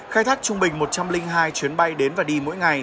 khai thác trung bình một trăm linh hai chuyến bay đến và đi